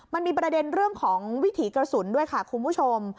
มันมีประเด็นเรื่องของวิถีกระสุนด้วยค่ะคุณผู้ชม